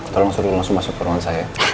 tolong suruh langsung masuk ke rumah saya